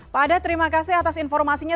pak adat terima kasih atas informasinya